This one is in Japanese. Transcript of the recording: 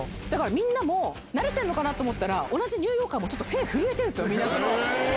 みんなも慣れてるのかなと思ったら、同じニューヨーカーもちょっと手、震えてるんですよ、みんな。